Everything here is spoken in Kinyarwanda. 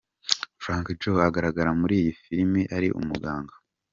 Frank Joe agaragara muri iyi filime ari umuganga.